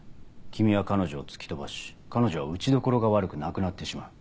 君は彼女を突き飛ばし彼女は打ち所が悪く亡くなってしまう。